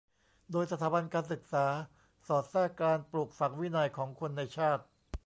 โดยสถาบันการศึกษาสอดแทรกการปลูกฝังวินัยของคนในชาติ